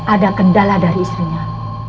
ada kendala dari istrinya